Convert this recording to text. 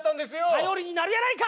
頼りになるやないか！